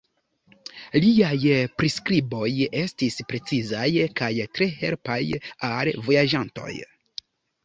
Liaj priskriboj estis precizaj kaj tre helpaj al vojaĝantoj.